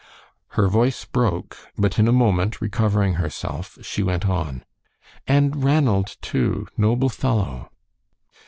Her voice broke, but in a moment, recovering herself, she went on, "And Ranald, too! noble fellow!"